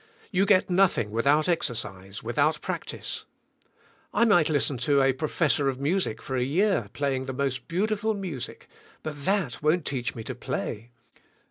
You get nothing without exercise, without practice, I might listen to a professor of music for a year play ing the most beautiful music, but that won't teach me to play.